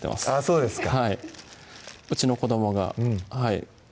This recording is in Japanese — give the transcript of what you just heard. そうですか